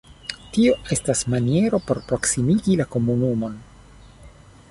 Tio estas maniero por proksimigi la komunumon.